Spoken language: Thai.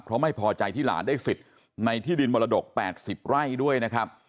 เพราะไม่พอใจที่หลานได้สิทธิ์ในที่ดินมรดก๘๐ไร่ด้วยนะครับ